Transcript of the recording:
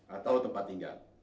atau tempat tinggal